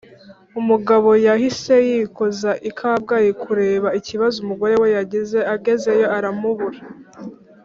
umugabo yahise yikoza i kabgayi kureba ikibazo umugore we yagize, agezeyo aramubura